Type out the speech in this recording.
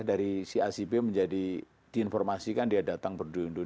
dari si acp menjadi diinformasikan dia datang berdua dua